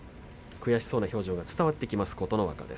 悔しそうな表情が伝わってきました、琴ノ若です。